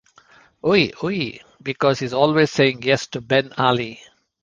Oui Oui' because he's always saying yes to Ben Ali.